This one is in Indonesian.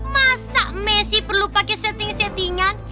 masa messi perlu pake setting settingan